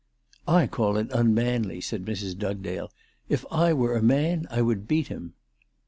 " I call it unmanly," said Mrs. Dugdale. " If I were a man I would beat him."